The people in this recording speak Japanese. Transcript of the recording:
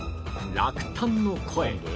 落胆の声